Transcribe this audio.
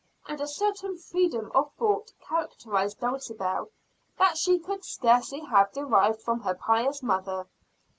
And a certain freedom of thought characterized Dulcibel, that she could scarcely have derived from her pious mother.